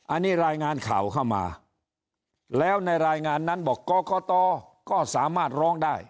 อันนี้รายงานข่าวเข้ามาแล้วในรายงานนั้นบอกกรกตก็สามารถร้องได้